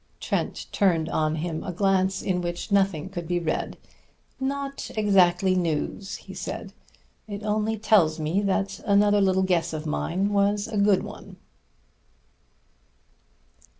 Trent turned on him a glance in which nothing could be read. "Not exactly news," he said. "It only tells me that another little guess of mine was a good one."